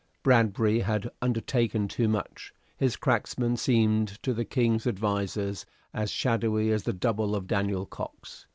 Bradbury had undertaken too much; his cracksman seemed to the King's advisers as shadowy as the double of Daniel Cox.